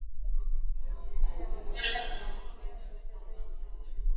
Muchi ya mapela inaikalaka buterezi